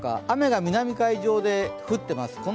雨が南海上で降ってます。